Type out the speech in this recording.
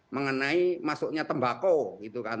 mengenai maksudnya tembako gitu kan